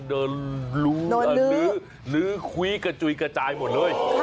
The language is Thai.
เดินลื้อหลื้อคุ้กระจุยกระจายหมดเลย